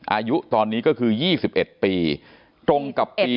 อายุตอนนี้ก็คือ๒๑ปีตรงกับปี